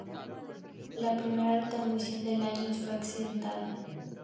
La primera retransmisión de Lyons fue accidental.